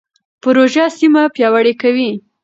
پروژه سیمه پیاوړې کوي.